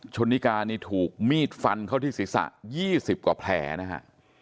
ชนนิการี่ถูกมีดฟันเขาที่ศิษย์ศยี่สิบกว่าแผลนะฮะ